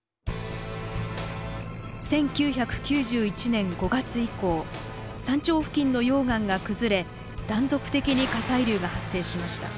１９９１年５月以降山頂付近の溶岩が崩れ断続的に火砕流が発生しました。